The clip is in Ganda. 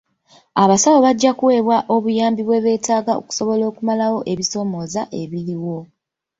Abasawo bajja kuweebwa obuyambi bwe beetaaga okusobola okumalawo ebisoomooza ebiriwo.